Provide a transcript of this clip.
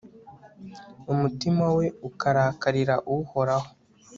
umutima we ukarakarira uhoraho